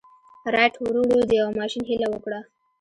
رايټ وروڼو د يوه ماشين هيله وکړه.